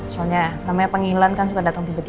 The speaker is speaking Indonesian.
soalnya namanya pengilan kan suka datang tiba tiba